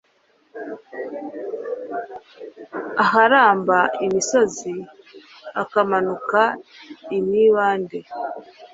aharamba imisozi akamanuka imibande